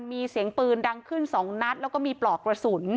มีเสียงปืนดังขึ้น๒นัดแล้วก็มีปลอกกระสุน